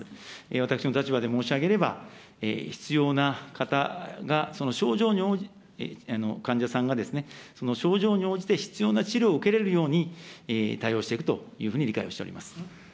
私の立場で申し上げれば、必要な方が、患者さんがですね、その症状に応じて必要な治療を受けれるように対応していくというふうに理解をしております。